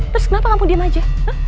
terus kenapa ngapain diam aja